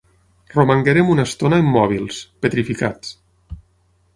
Romanguérem una estona immòbils, petrificats.